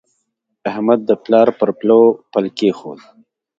احمد د پلار پر پلو پل کېښود.